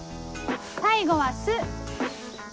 最後は「す」。